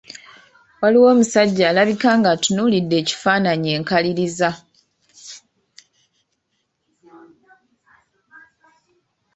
Waliwo omusajja alabika ng’atunuulidde ekifaanaanyi enkaliriza.